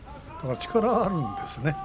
力はあるんですね。